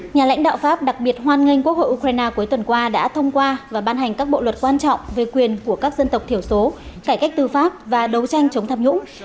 nhà lãnh đạo pháp đặc biệt hoan nghênh quốc hội ukraine cuối tuần qua đã thông qua và ban hành các bộ luật quan trọng về quyền của các dân tộc thiểu số cải cách tư pháp và đấu tranh chống tham nhũng